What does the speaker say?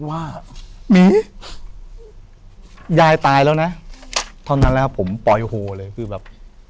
ว่ามียายตายแล้วนะเท่านั้นแล้วครับผมปล่อยโฮเลยคือแบบ